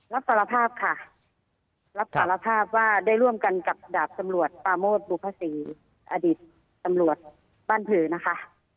รับสารภาพค่ะรับสารภาพว่าได้ร่วมกันกับดาบตำรวจปราโมทบุพศรีอดีตตำรวจบ้านผือนะคะ